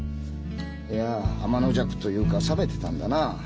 いやあまのじゃくというか冷めてたんだなあ。